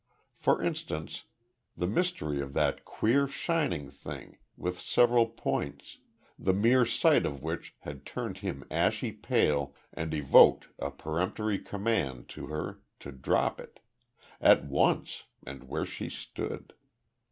For instance, the mystery of that queer, shining thing, with several points, the mere sight of which had turned him ashy pale and evoked a peremptory command to her to drop it at once, and where she stood.